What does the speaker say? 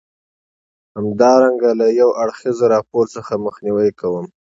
همدارنګه له یو اړخیز راپور څخه مخنیوی کوم.